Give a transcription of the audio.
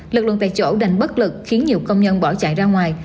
lực lượng tại chỗ đành bất lực khiến nhiều công nhân bỏ chạy ra ngoài